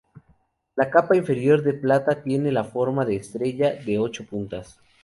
La capa inferior de plata tiene la forma de estrella de ocho puntas.